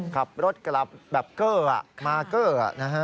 ขับรถกลับแบบเกลือมาเกลือนะฮะ